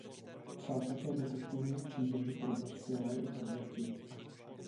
Psal také detektivní příběhy pro dospělé i pro děti.